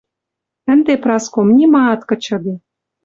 Ӹнде Праском нимаат кычыде